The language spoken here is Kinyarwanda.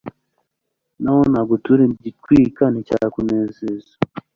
n’aho nagutura igitwikwa nticyakunezeza